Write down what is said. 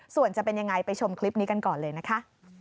ส่วนจะเป็นยังไงไปชมคลิปนี้กันก่อนเลยนะคะ